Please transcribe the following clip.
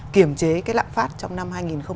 kiểm chế cái lạm phát trong năm hai nghìn hai mươi